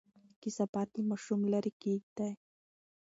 کثافات له ماشوم لرې کېږدئ.